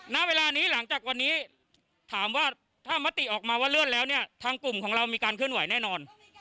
ณเวลานี้หลังจากวันนี้ถามว่าถ้ามติออกมาว่าเลื่อนแล้วเนี่ยทางกลุ่มของเรามีการเคลื่อนไหวแน่นอน